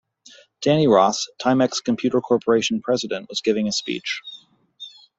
Danny Ross, Timex Computer Corporation president was giving a speech.